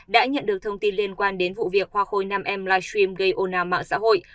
đã nhận được thông tin liên quan đến vụ việc hoa khôi nam em livestream gây ôna mạng xã hội